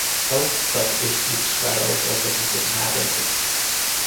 Ook dat is iets waarover we moeten nadenken.